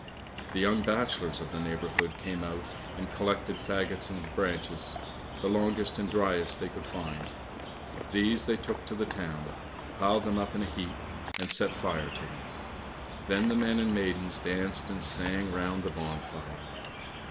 The young bachelors of the neighbourhood came out and collected faggots and branches, the longest and driest they could find. These they took to the town, piled them up in a heap, and set fire to them; then the men and maidens danced and sang round the bonfire.